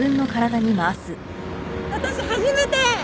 私初めて！